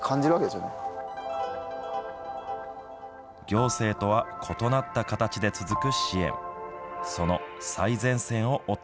行政とは異なった形で続く支援。